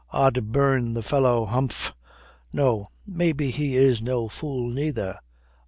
"Od burn the fellow! Humph. No. Maybe he is no fool, neither.